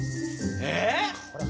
えっ？